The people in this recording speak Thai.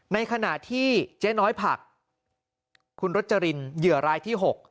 ในขณะที่เจ๊น้อยผักคุณรจรินเหยื่อรายที่๖